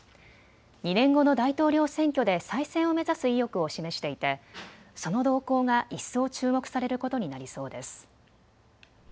２年後の大統領選挙で再選を目指す意欲を示していてその動向が一層注目されることになりそうです。